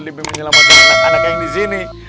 demi menyelamatkan anak anak yang di sini